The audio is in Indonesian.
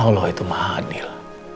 allah itu mahadir